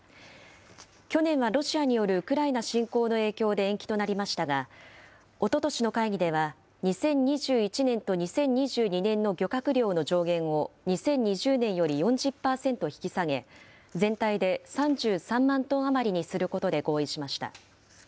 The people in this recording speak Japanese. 去年はロシアによるウクライナ侵攻の影響で延期となりましたが、おととしの会議では２０２１年と２０２２年の漁獲量の上限を２０２０年より４０％引き下げ、全体で３３万トン余りにすることで合意しました。